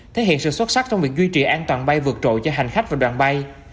thể hiện sự xuất sắc trong việc duy trì an toàn bay vượt trội cho hành khách và đoàn bay